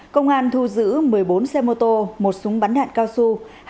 công an thu giữ một mươi bốn xe mô tô một súng bắn đạn cao su